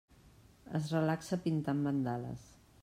Es relaxa pintant mandales.